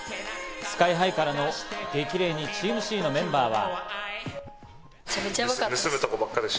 ＳＫＹ−ＨＩからの激励にチームＣのメンバーは。